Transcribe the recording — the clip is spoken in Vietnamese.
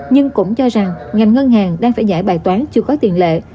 nhưng cũng cho rằng ngành ngân hàng đang phải giải bài toán chưa có tiền lệ